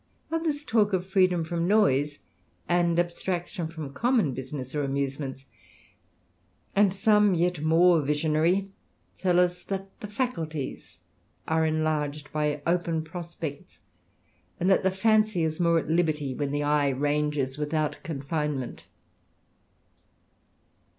Others talk of freedom from noise, and abstraction from common business or amusements ; and some, yet more visionary, tell us, that the faculties are enlarged by open prospects, and that the fancy is more at liberty, when the eye ranges without confinement.